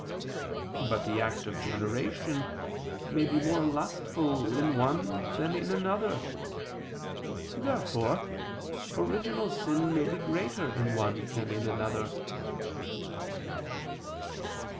But the act of generation may be more lustful in one than in another. Therefore original sin may be greater in one than in another.